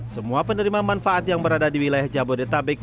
semua penerima manfaat yang berada di wilayah jabodetabek